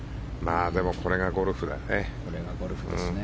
でも、これがゴルフですね。